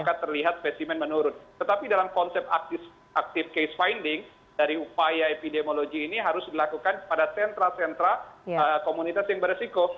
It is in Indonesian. karena terlihat specimen menurun tetapi dalam konsep active case finding dari upaya epidemiologi ini harus dilakukan pada sentra sentra komunitas yang beresiko